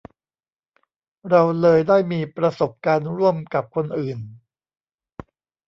เราเลยได้มีประสบการณ์ร่วมกับคนอื่น